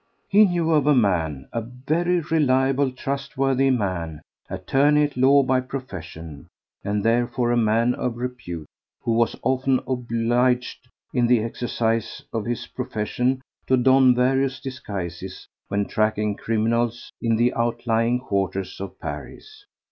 He knew of a man, a very reliable, trustworthy man, attorney at law by profession, and therefore a man of repute, who was often obliged in the exercise of his profession to don various disguises when tracking criminals in the outlying quarters of Paris.